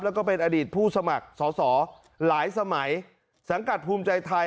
แล้วก็เป็นอดีตผู้สมัครสอสอหลายสมัยสังกัดภูมิใจไทย